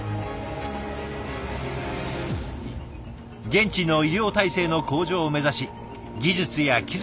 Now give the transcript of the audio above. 現地の医療体制の向上を目指し技術や機材を提供。